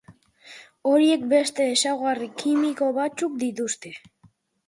Horiek beste ezaugarri kimiko batzuk dituzte.